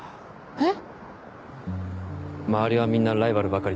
えっ？